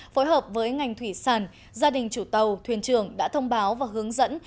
phối hợp với ngành thủy sản gia đình chủ tàu thuyền trường đã thông báo và hướng dẫn